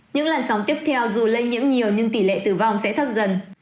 những lần sóng tiếp theo dù lây nhiễm nhiều nhưng tỷ lệ tử vong sẽ thấp dần